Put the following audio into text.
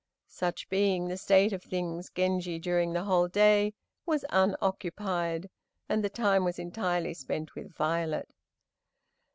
Such being the state of things, Genji, during the whole day, was unoccupied, and the time was entirely spent with Violet.